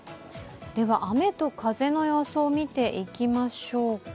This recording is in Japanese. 雨と風の予想を見ていきましょうか。